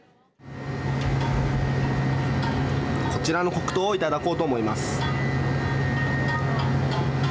こちらの黒糖をいただこうと思います。